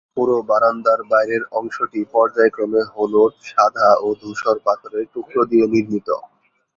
পুরো বারান্দার বাইরের অংশটি পর্যায়ক্রমে হলুদ, সাদা ও ধূসর পাথরের টুকরো দিয়ে নির্মিত।